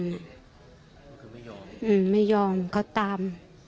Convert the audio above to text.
อืมไม่ยอมเขาตาม